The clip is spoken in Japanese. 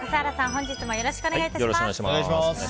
本日もよろしくお願い致します。